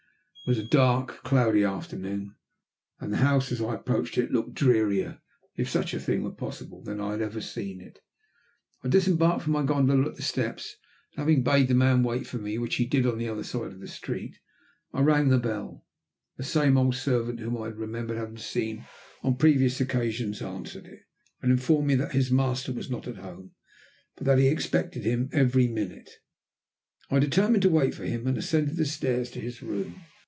It was a dark, cloudy afternoon, and the house, as I approached it, looked drearier, if such a thing were possible, than I had ever seen it. I disembarked from my gondola at the steps, and having bade the man wait for me, which he did on the other side of the street, I rang the bell. The same old servant whom I remembered having seen on a previous occasion answered it, and informed me that his master was not at home, but that he expected him every minute. I determined to wait for him and ascended the stairs to his room.